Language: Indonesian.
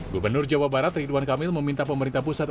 gubernur jawa barat ridwan kamil meminta pemerintah pusat